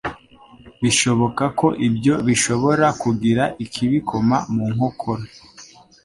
Bishoboka ko ibyo bishobora kugira ikibikoma mu nkokora;